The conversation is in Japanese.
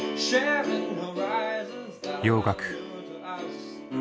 洋楽。